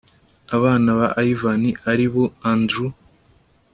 abana ba ivan ari bo andre